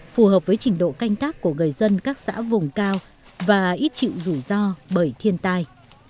phù hợp với trình độ canh tác của người dân các xã vùng cao và ít chịu rủi ro bởi thiên tai